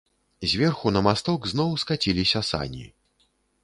Зверху на масток зноў скаціліся сані.